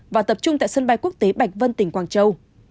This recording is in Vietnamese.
và tập trung tại sân bay quốc tế bạch vân tỉnh quảng châu